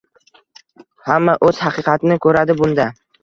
Hamma oʻz haqiqatini koʻradi bunda..